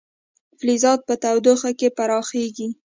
فلزات په تودوخه کې پراخېږي.